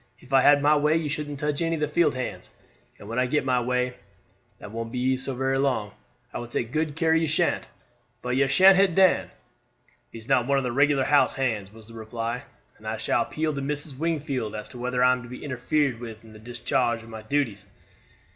If I had my way you shouldn't touch any of the field hands. And when I get my way that won't be so very long I will take good care you sha'n't. But you sha'n't hit Dan." "He is not one of the regular house hands," was the reply; "and I shall appeal to Mrs. Wingfield as to whether I am to be interfered with in the discharge of my duties."